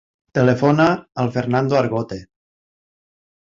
Telefona al Fernando Argote.